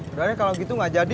udah deh kalau gitu gak jadi